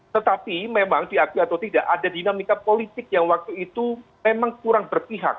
tetapi memang diakui atau tidak ada dinamika politik yang waktu itu memang kurang berpihak